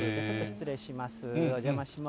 失礼します。